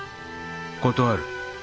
断る。